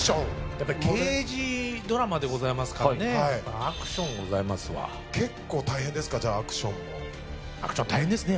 やっぱり刑事ドラマでございますからねアクションございますわ結構大変ですかじゃあアクションもアクション大変ですね